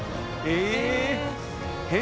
え！